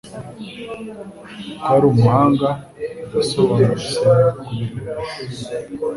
Ko ari umuhanga birasobanutse kuri buri wese.